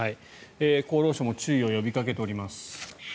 厚労省も注意を呼びかけております。